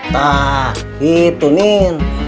nah itu min